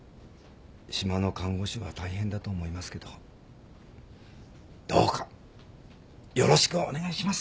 島の看護師は大変だと思いますけどどうかよろしくお願いします。